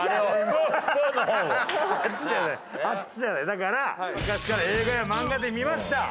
だから昔から映画や漫画で見ました。